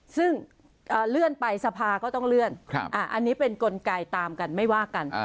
ซึ่งเลื่อนไปสภาก็ต้องเลื่อนอันนี้เป็นกลไกตามกันไม่ว่ากัน